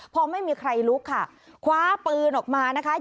พอไม่มีใครลุกค่ะคว้าปืนออกมานะคะ